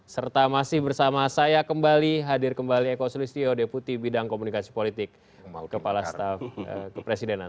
serta masih bersama saya kembali hadir kembali eko sulistio deputi bidang komunikasi politik kepala staf kepresidenan